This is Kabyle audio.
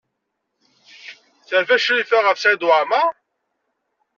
Terfa Crifa ɣef Saɛid Waɛmaṛ?